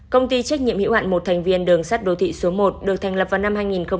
công ty trách nhiệm hữu hạn một thành viên đường sắt đô thị số một được thành lập vào năm hai nghìn một mươi